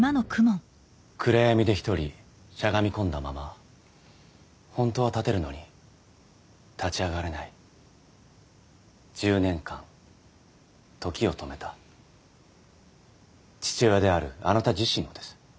暗闇で１人しゃがみ込んだまま本当は立てるのに立ち上がれない１０年間時を止めた父親であるあなた自身もです